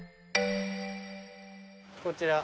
こちら。